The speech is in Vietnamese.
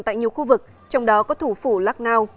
tại nhiều khu vực trong đó có thủ phủ lắc ngao